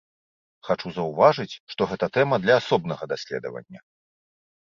Хачу заўважыць, што гэта тэма для асобнага даследавання.